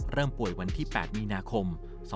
เริ่มป่วยวันที่๘มีนาคม๒๕๖